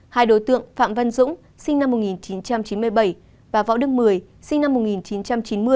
hai đối tượng phạm văn dũng sinh năm một nghìn chín trăm chín mươi bảy và võ đức mười sinh năm một nghìn chín trăm chín mươi